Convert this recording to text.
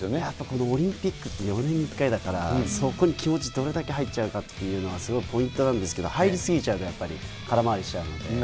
やっぱりこのオリンピックって、４年に１回だから、そこに気持ちどれだけ入っちゃうかっていうのが、すごくポイントなんですけど、入り過ぎちゃうと、やっぱり、空回りしちゃうので。